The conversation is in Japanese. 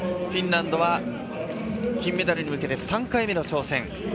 フィンランドは金メダルに向けて３回目の挑戦。